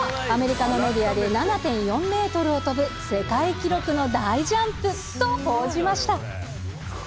アメリカのメディアで、７．４メートルを飛ぶ世界記録の大ジャンプ。と報じました。